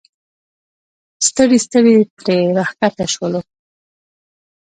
ستړي ستړي ترې راښکته شولو.